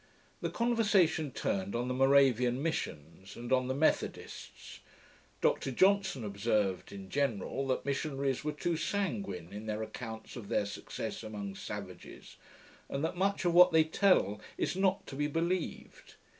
The conversation turned on the Moravian missions, and on the Methodists. Dr Johnson observed in general, that missionaries were too sanguine in their accounts of their success among savages, and that much of what they tell is not to be believed.